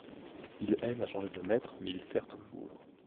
Il aime à changer de maître, mais il sert toujours.